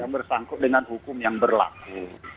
yang bersangkutan dengan hukum yang berlaku